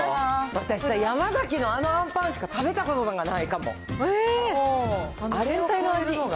私さ、山崎のあのあんパンしか食べたことがないかも。